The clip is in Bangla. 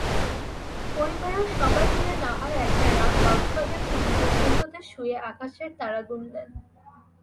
পরিবারের সবাই মিলে নাহয় একটা রাত কক্সবাজার সমুদ্রসৈকতে শুয়ে আকাশের তারা গুনলেন।